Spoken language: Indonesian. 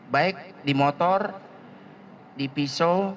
baik di motor di pisau